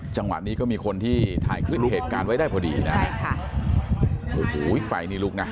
จังหวัดนี้ก็มีคนที่ถ่ายคลื่นเหตุการณ์ไว้ได้พอดี